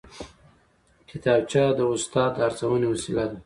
کتابچه د استاد د ارزونې وسیله ده